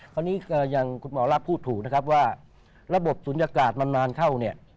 คราวนี้ก็อย่างคุณหมอลักษ์พูดถูกนะครับว่าระบบศูนยากาศมันนานเข้าเนี่ย